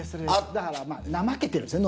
だからまあ怠けてるんですね